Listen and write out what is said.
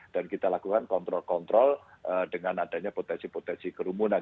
kita lakukan kontrol kontrol dengan adanya potensi potensi kerumunan